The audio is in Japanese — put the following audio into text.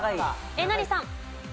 えなりさん。